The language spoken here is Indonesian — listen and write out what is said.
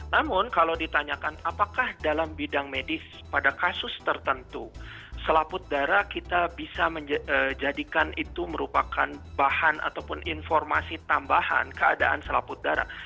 namun kalau ditanyakan apakah dalam bidang medis pada kasus tertentu selaput darah kita bisa menjadikan itu merupakan bahan ataupun informasi tambahan keadaan selaput darah